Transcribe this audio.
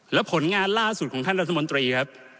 แล้วผลงานล่าสุดของท่านรัฐมนตรีครับ